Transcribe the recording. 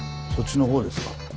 そっちのほうですか？